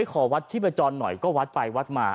ขอวัดชีพจรหน่อยก็วัดไปวัดมา